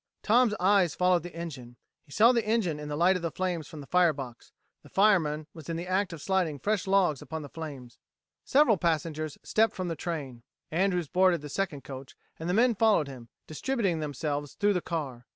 Tom's eyes followed the engine. He saw the engineer in the light of the flames from the firebox; the fireman was in the act of sliding fresh logs upon the flames. Several passengers stepped from the train. Andrews boarded the second coach, and the men followed him, distributing themselves through the car.